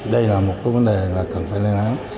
đây là một cái vấn đề là cần phải lên án